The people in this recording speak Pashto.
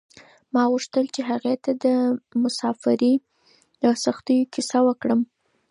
ما غوښتل چې هغې ته د مساپرۍ د سختیو کیسه وکړم.